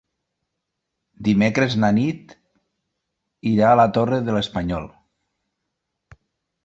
Dimecres na Nit irà a la Torre de l'Espanyol.